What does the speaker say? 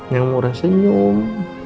yang murah senyum